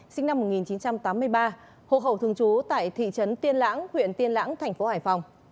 sinh năm một nghìn chín trăm tám mươi ba hộ khẩu thường trú tại thị trấn tiên lãng huyện tiên lãng thành phố hải phòng